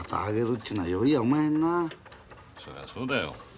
それはそうだよ。